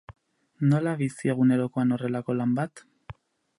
Nola bizi egunerokoan horrelako lan bat?